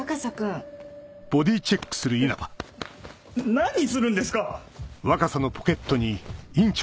何するんですか！